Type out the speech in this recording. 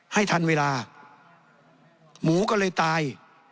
ให้ทันเวลาหมูก็เลยตาย